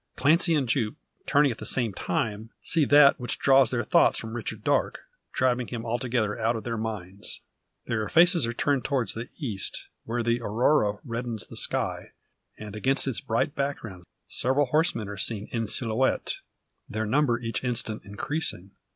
Clancy and Jupe, turning at the same time, see that which draws their thoughts from Richard Darke, driving him altogether out of their minds. Their faces are turned towards the east, where the Aurora reddens the sky, and against its bright background several horsemen are seen en silhouette, their number each instant increasing.